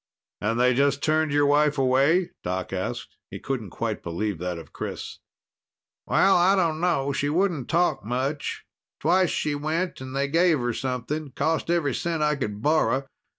"And they just turned your wife away?" Doc asked. He couldn't quite believe that of Chris. "Well, I dunno. She wouldn't talk much. Twice she went and they gave her something. Cost every cent I could borrow.